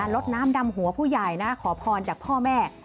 ลดน้ำดำหัวผู้ใหญ่นะขอพรจากพ่อแม่